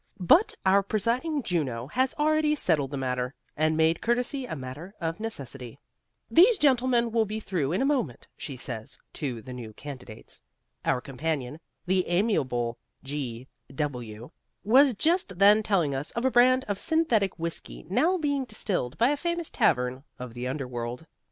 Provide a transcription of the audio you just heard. But our presiding Juno has already settled the matter, and made courtesy a matter of necessity. "These gentlemen will be through in a moment," she says to the new candidates. Our companion, the amiable G W , was just then telling us of a brand of synthetic whiskey now being distilled by a famous tavern of the underworld.